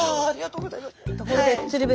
ありがとうございます。